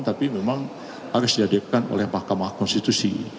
tapi memang harus dihadapkan oleh mahkamah konstitusi